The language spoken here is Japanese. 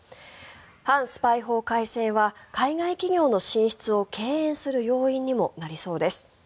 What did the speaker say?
反スパイ法改正は海外企業の進出を敬遠する要因にもなりそうです。